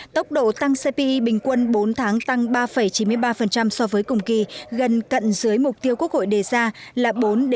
tốc độ tăng cpi bình quân bốn tháng tăng ba chín mươi ba so với cùng kỳ gần cận dưới mục tiêu quốc hội đề ra là bốn bốn